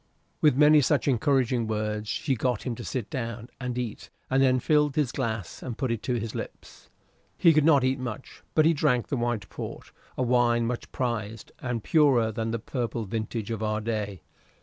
With many such encouraging words she got him to sit down and eat, and then filled his glass and put it to his lips. He could not eat much, but he drank the white port a wine much prized, and purer than the purple vintage of our day.